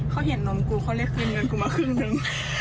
เขาเห็นนมกูเขาเรียกคืนเงินกูมาครึ่งนึง